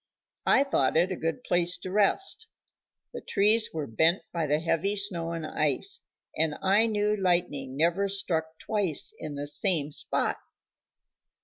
I thought it a good place to rest; the trees were bent by the heavy snow and ice, and I knew lightning never struck twice in the same spot.